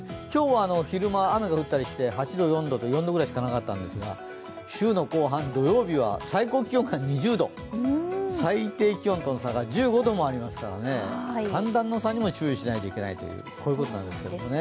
今日は昼間、雨が降ったりして、８度、４度と、４度くらいしかなかったんですが、週の後半、土曜日は最高気温が２０度、最低気温との差が１５度もありますから寒暖の差にも注意しないといけないということなんですね。